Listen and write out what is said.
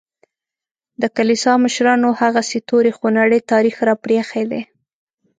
د کلیسا مشرانو هغسې تور خونړی تاریخ راپرېښی دی.